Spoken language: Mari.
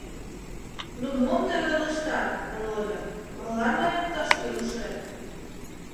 — Ну мом тый ойлыштат, Володя, молан мыйым тышке ушет?